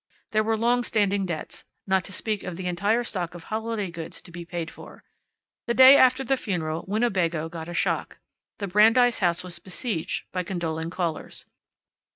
There were long standing debts, not to speak of the entire stock of holiday goods to be paid for. The day after the funeral Winnebago got a shock. The Brandeis house was besieged by condoling callers.